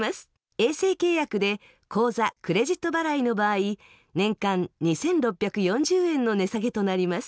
衛星契約で口座・クレジット払いの場合年間２６４０円の値下げとなります。